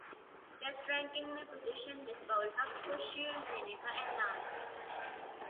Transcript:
test ranking میں position Misbah ul Haq کو shield دینے کا اعلان